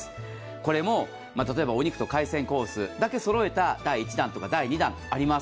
これも例えばお肉と海鮮だけそろえた第１弾とか第２弾があります。